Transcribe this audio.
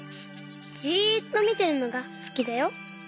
じっとみてるのがすきだよ。